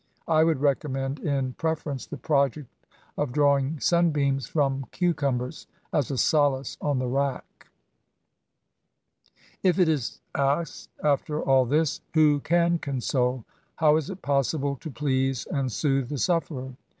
I would recommend, in preference, the project of drawing sunbeams from cucumbers, as a solace on the rack. If it is asked, after all this, '' who can console ? how is it possible to please and soothe the sufferer?"